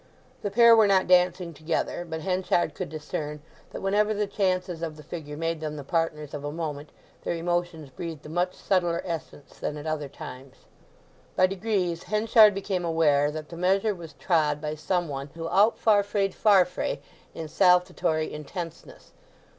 The pair were not dancing together, but Henchard could discern that whenever the chances of the figure made them the partners of a moment their emotions breathed a much subtler essence than at other times. By degrees Henchard became aware that the measure was trod by some one who out Farfraed Farfrae in saltatory intenseness.